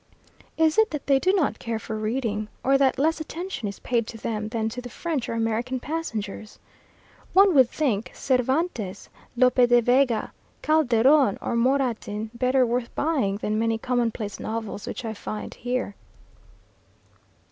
Is it that they do not care for reading, or that less attention is paid to them than to the French or American passengers? One would think Cervantes, Lope de Vega, Calderon, or Moratin, better worth buying than many commonplace novels which I find here.